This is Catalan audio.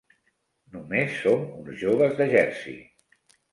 Només som uns joves de Jersey.